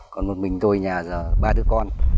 còn một mình tôi nhà giờ ba bốn con